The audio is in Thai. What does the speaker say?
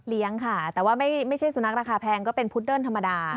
ค่ะแต่ว่าไม่ใช่สุนัขราคาแพงก็เป็นพุดเดิ้ลธรรมดา